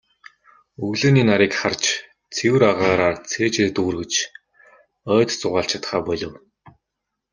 Өглөөний нарыг харж, цэвэр агаараар цээжээ дүүргэж, ойд зугаалж чадахаа болив.